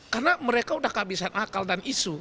karena mereka sudah kehabisan akal dan isu